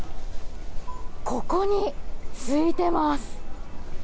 ここに付いています。